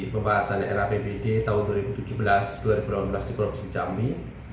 pembahasan rapbd tahun dua ribu tujuh belas dua ribu delapan belas di provinsi jambi